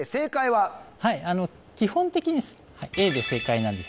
はい基本的にＡで正解なんです